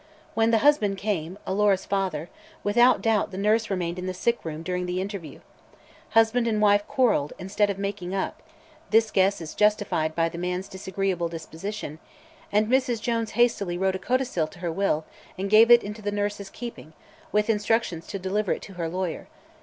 When the husband came Alora's father without doubt the nurse remained in the sick room during the interview. Husband and wife quarreled, instead of making up this guess is justified by the man's disagreeable disposition and Mrs. Jones hastily wrote a codicil to her will and gave it into the nurse's keeping, with instructions to deliver it to her lawyer.